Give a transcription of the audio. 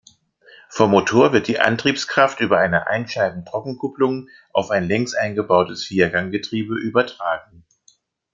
Vom Motor wird die Antriebskraft über eine Einscheibentrockenkupplung auf ein längs eingebautes Vierganggetriebe übertragen.